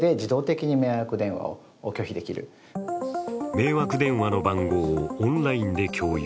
迷惑電話の番号をオンラインで共有。